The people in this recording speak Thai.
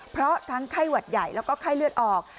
เพราะทั้งไข้หวัดใหญ่แล้วก็ไข้เลือดออก